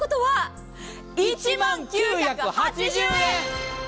１万９８０円。